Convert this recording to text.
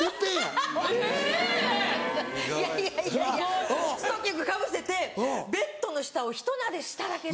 ・・意外・いやいやストッキングかぶせてベッドの下をひとなでしただけで。